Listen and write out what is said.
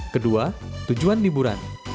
kedua tujuan liburan